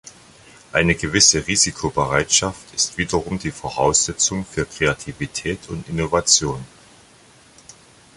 Eine gewisse Risikobereitschaft ist wiederum die Voraussetzung für Kreativität und Innovation.